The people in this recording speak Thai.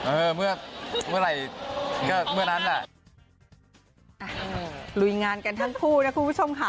เออเมื่อเมื่อไหร่ก็เมื่อนั้นแหละลุยงานกันทั้งคู่นะคุณผู้ชมค่ะ